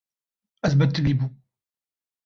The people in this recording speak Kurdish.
Ez betilî bûm.